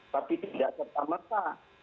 tapi tidak serta merta